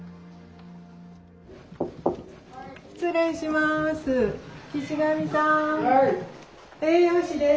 失礼します。